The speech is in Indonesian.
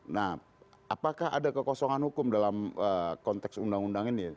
nah apakah ada kekosongan hukum dalam konteks undang undang ini